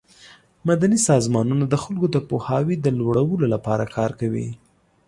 مدني سازمانونه د خلکو د پوهاوي د لوړولو لپاره کار کوي.